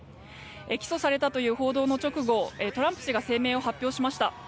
起訴されたという報道の直後トランプ氏が声明を発表しました。